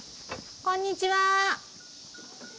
こんにちは。